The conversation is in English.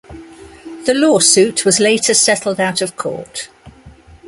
The lawsuit was later settled out of court.